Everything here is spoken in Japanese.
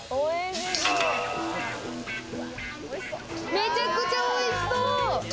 めちゃくちゃおいしそう！